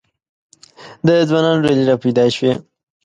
د ځوانانو ډلې را پیدا شوې.